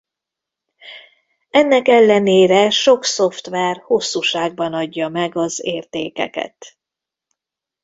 Ennek ellenére sok szoftver hosszúságban adja meg az értékeket.